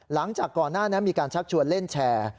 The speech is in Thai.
หลังจากก่อนหน้านั้นมีการชักชวนเล่นแชร์